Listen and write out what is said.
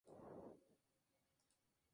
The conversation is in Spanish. Salió con al actor Geoff Morrell.